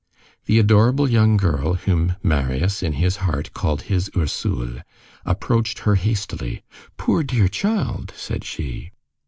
The adorable young girl, whom Marius, in his heart, called "his Ursule," approached her hastily. "Poor, dear child!" said she.